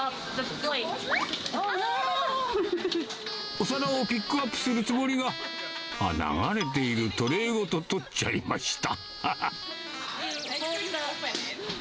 お皿をピックアップするつもりが、流れているトレーごと取っちゃいました。